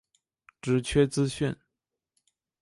职缺资讯